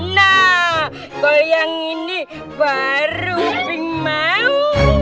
nah goyang ini baru bingung mau